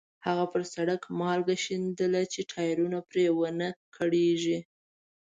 هغه پر سړک مالګه شیندله چې ټایرونه پرې ونه کړېږي.